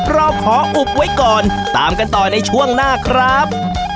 เราขออุบไว้ก่อนตามกันต่อในช่วงหน้าครับ